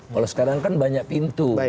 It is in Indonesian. kalau sekarang kan banyak pintu